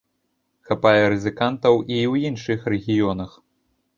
Хапае рызыкантаў і ў іншых рэгіёнах.